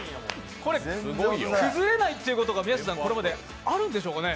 崩れないっていうことがこれまであるんでしょうかね？